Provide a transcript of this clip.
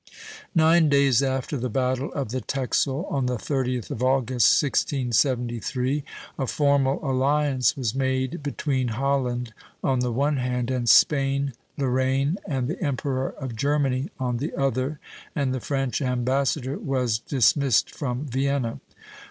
Nine days after the battle of the Texel, on the 30th of August, 1673, a formal alliance was made between Holland on the one hand, and Spain, Lorraine, and the emperor of Germany on the other, and the French ambassador was dismissed from Vienna.